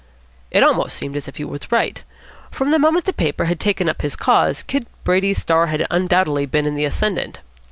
It almost seemed as if he were right. From the moment the paper had taken up his cause, Kid Brady's star had undoubtedly been in the ascendant.